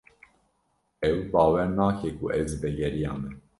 Ew bawer nake ku ez vegeriyame.